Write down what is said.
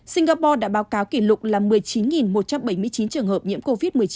singapore đã báo cáo kỷ lục là một mươi chín một trăm bảy mươi chín trường hợp nhiễm covid một mươi chín